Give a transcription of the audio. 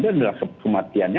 itu adalah kematiannya